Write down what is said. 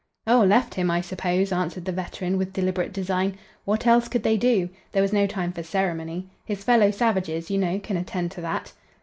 "Oh, left him, I suppose," answered the veteran, with deliberate design. "What else could they do? There was no time for ceremony. His fellow savages, you know, can attend to that."